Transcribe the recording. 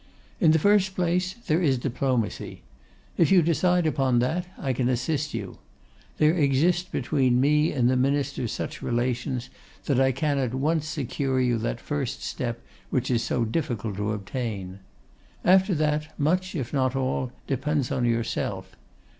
In the first place there is Diplomacy. If you decide upon that, I can assist you. There exist between me and the Minister such relations that I can at once secure you that first step which is so difficult to obtain. After that, much, if not all, depends on yourself.